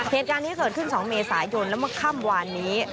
เหตุการณ์นี้เกิดขึ้น๒เมษายนแล้วเมื่อค่ำวานนี้